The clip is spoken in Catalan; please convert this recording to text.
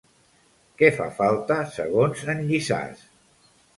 Què fa falta, segons en Llissàs?